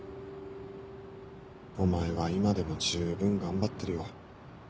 お前は今でも十分頑張ってるよ。